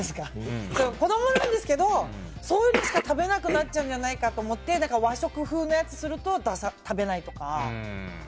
子供なんですけどそういうのしか食べなくなっちゃうんじゃないかと思って和食風のやつにすると食べないとか。